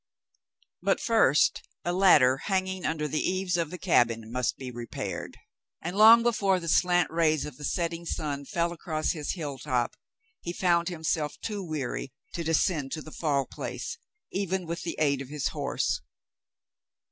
But first a ladder hanging under the eaves of the cabin must be repaired, and long before the slant rays of the setting sun fell across his hilltop, he found himself, too weary to descend to the Fall Place, even with the aid of his horse.